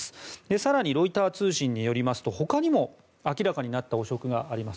更にロイター通信によりますとほかにも明らかになった汚職があります。